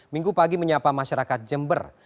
minggu pagi menyapa masyarakat jember